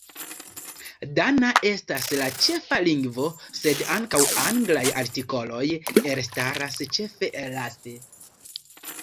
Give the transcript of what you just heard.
Dana estas la ĉefa lingvo, sed ankaŭ anglaj artikoloj elstaras ĉefe laste.